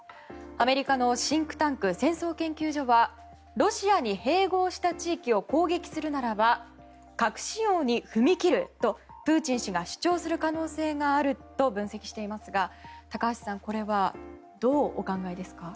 アメリカのシンクタンク戦争研究所はロシアに併合した地域を攻撃するならば核使用に踏み切るとプーチン氏が主張する可能性があると分析していますが高橋さん、これはどうお考えですか？